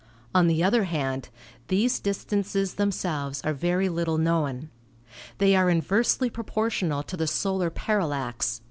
On the other hand, these distances themselves are very little known. They are inversely proportional to the solar parallax (8.